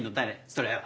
それは。